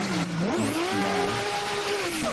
Ngực nở